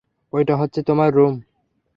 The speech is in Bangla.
ওইটা হচ্ছে তোমার রুম।